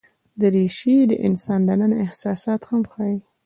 دریشي د انسان دننه احساسات هم ښيي.